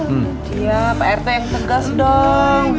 iya pak rt yang tegas dong